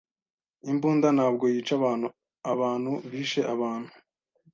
Imbunda ntabwo yica abantu. Abantu bishe abantu.